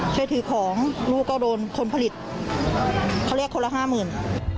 ช่วยถือของลูกก็โดนคนผลิตเขาเรียกคนละห้าหมื่น